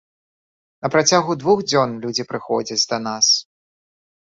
На працягу двух дзён людзі прыходзяць да нас.